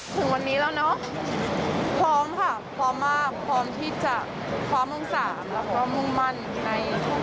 ถึงวันนี้แล้วเนอะพร้อมค่ะพร้อมมากพร้อมที่จะคว้ามงสามแล้วก็มุ่งมั่นใน